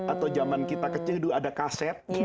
atau zaman kita kecil dulu ada kaset